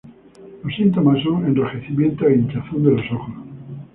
Los síntomas son enrojecimiento e hinchazón de los ojos.